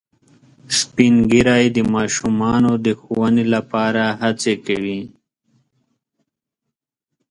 سپین ږیری د ماشومانو د ښوونې لپاره هڅې کوي